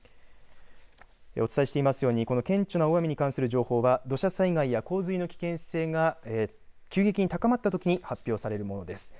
お伝えしていますようにこの顕著な大雨に関する情報は土砂災害や洪水の危険性が急激に高まったときに発表されるものです。